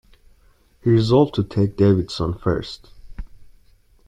He resolved to take Davidson first.